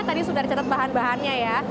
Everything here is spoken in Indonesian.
tadi sudah dicatat bahan bahannya ya